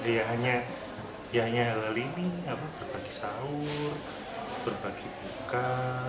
ya hanya hal hal ini berbagi sahur berbagi buka